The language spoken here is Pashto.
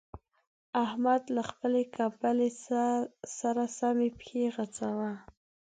احمده! له خپلې کمبلې سره سمې پښې غځوه.